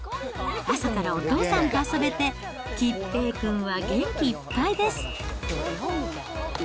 朝からお父さんと遊べて、結平くんは元気いっぱいです。